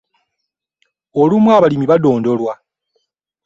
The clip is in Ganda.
Olumu abalimi badondolwa.